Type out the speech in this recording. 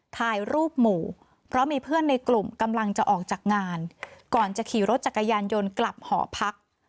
ถ่ายรูปหมู่เพราะมีเพื่อนในกลุ่มกำลังจะออกจากงานก่อนจะขี่รถจักรยานยนต์กลับหอพัก